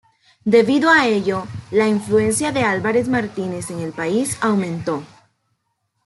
Debido a ello, la influencia de Álvarez Martínez en el país aumentó.